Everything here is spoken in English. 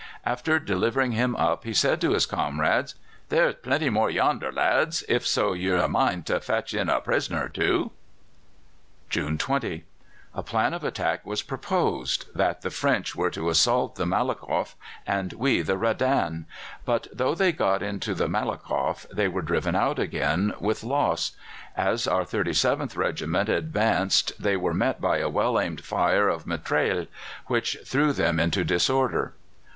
"After delivering him up he said to his comrades: 'There's plenty more yonder, lads, if so be you've a mind to fetch in a prisoner or two.' "June 20. A plan of attack was proposed that the French were to assault the Malakoff and we the Redan; but though they got into the Malakoff, they were driven out again, with loss. As our 37th Regiment advanced they were met by a well aimed fire of mitraille, which threw them into disorder.